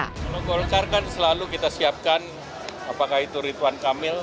kalau golkar kan selalu kita siapkan apakah itu ridwan kamil